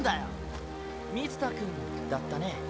水田くんだったね。